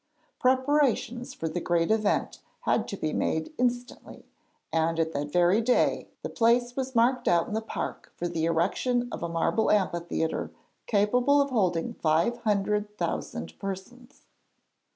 Preparations for the great event had to be made instantly, and that very day the place was marked out in the park for the erection of a marble amphitheatre capable of holding five hundred thousand persons.